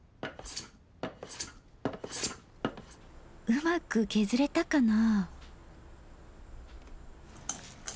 うまく削れたかな。